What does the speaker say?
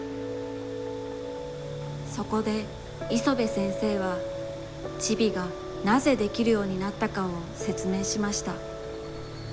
そこでいそべ先生は、ちびがなぜできるようになったかをせつめいしました。